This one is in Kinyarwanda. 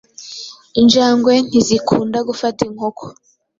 Injangwe ntizikunda gufata Inkoko